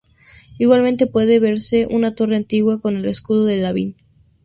Igualmente, puede verse una torre antigua, con el escudo de Lavín.